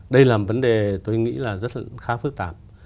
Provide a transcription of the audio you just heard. đây là vấn đề tôi nghĩ là rất là khá phức tạp